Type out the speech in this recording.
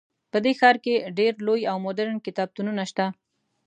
په دې ښار کې ډیر لوی او مدرن کتابتونونه شته